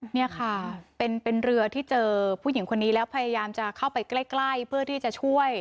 นี่ค่ะเป็นเรือที่เจอผู้หญิงคนนี้แล้วพยายามจะเข้าไปใกล้เพื่อที่จะช่วย